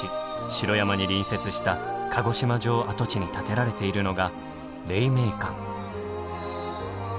城山に隣接した鹿児島城跡地に建てられているのが黎明館。